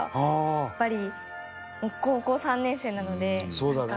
やっぱり高校３年生なのでなんか